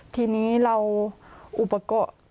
ทีนี้เราอุปกรณ์